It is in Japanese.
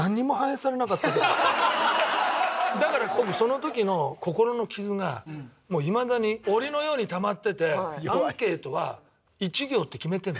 だから僕その時の心の傷がもういまだに澱のようにたまっててアンケートは一行って決めてるの。